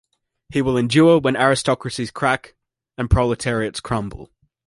He will endure when aristocracies crack and proletariats crumble.